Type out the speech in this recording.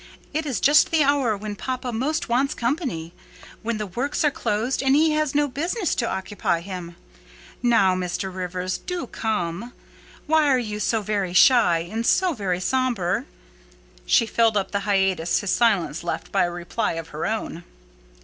It is just the hour when papa most wants company: when the works are closed and he has no business to occupy him. Now, Mr. Rivers, do come. Why are you so very shy, and so very sombre?" She filled up the hiatus his silence left by a reply of her own.